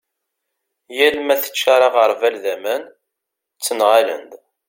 yal ma teččar aγerbal d aman ttenγalen-d